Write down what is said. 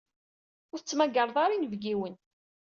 Ur tettmagareḍ ara inebgiwen.